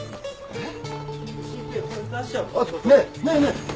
えっ？